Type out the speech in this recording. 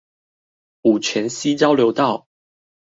五權西交流道